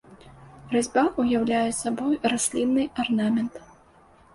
Разьба ўяўляе сабою раслінны арнамент.